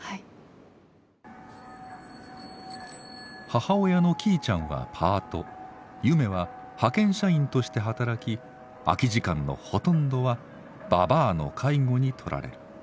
母親のきいちゃんはパートゆめは派遣社員として働き空き時間のほとんどはばばあの介護に取られる。